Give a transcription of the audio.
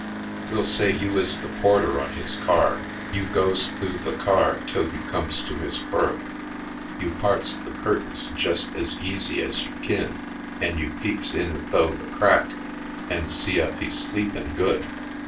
We'll say you is the porter on his car. You goes th'ough the car till you comes to his berth. You parts the curtains jest ez easy ez you kin an' you peeps in th'ough the crack an' see ef he's sleepin' good.